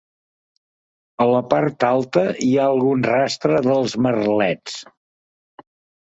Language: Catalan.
A la part alta hi ha algun rastre dels merlets.